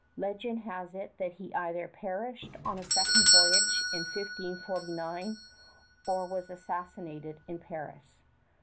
Legend has it that he either perished on a second voyage in 1549, or was assassinated in Paris.